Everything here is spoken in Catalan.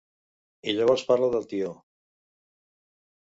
I llavors parla del tió.